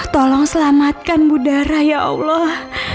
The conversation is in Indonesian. tolong selamatkan buddhara ya allah